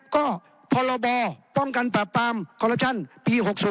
ก็พรบป้องกันปราบปรามคอลลัปชั่นปี๖๐